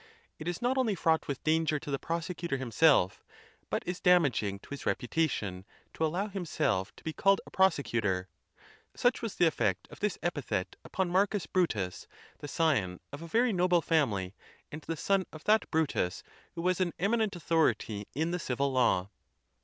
It is not only fraught with danger to the prosecutor him self, but is damaging to his reputation, to allow himself to be called a prosecutor. Such was the effect of this epithet upon Marcus Brutus, the scion of a very noble family and the son of that Brutus who was an eminent authority in the civil law.